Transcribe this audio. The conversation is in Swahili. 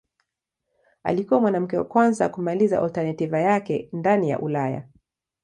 Alikuwa mwanamke wa kwanza kumaliza alternativa yake ndani ya Ulaya.